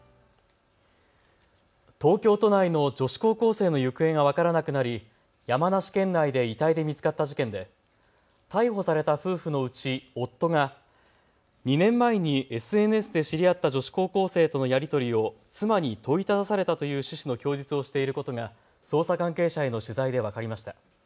東京都内の女子高校生の行方が分からなくなり山梨県内で遺体で見つかった事件で逮捕された夫婦のうち夫が２年前にＳＮＳで知り合った女子高校生とのやり取りを妻に問いただされたという趣旨の供述をしていることが捜査関係者への取材で分かりました。